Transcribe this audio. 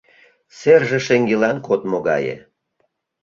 Серже шеҥгелан кодмо гае